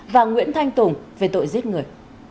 và nguyễn thanh tùng về tội giết người